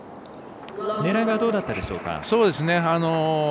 狙いはどうだったでしょうか。